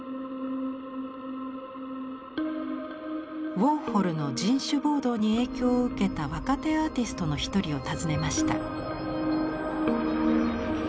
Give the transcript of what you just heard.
ウォーホルの「人種暴動」に影響を受けた若手アーティストの一人を訪ねました。